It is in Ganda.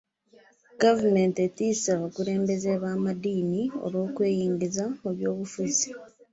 Gavumenti etiisa abakulembeze b'amadddiini olw'okwenyigiza mu byobufuzi.